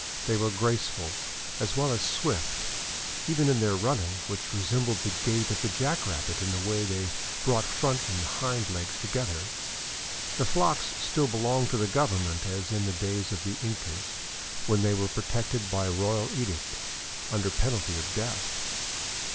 They were graceful, as well as swift, even in their running, which resembled the gait of the jack rabbit in the way they brought front and hind legs together. The flocks still belong to the government as in the days of the Incas, when they were protected by royal edict, under penalty of death.